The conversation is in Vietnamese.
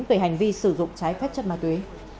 về hành vi sử dụng trái phép chất ma túy